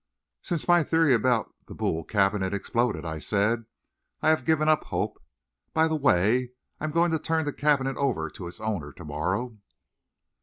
"Since my theory about the Boule cabinet exploded," I said, "I have given up hope. By the way, I'm going to turn the cabinet over to its owner to morrow."